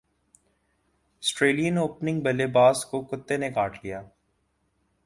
سٹریلین opening بلے باز کو کتے نے کاٹ لیا